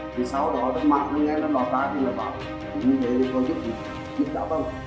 thì sau đó đất mạng nó nghe nó đỏ xá thì nó bảo chúng tôi có giúp gì giúp cháu không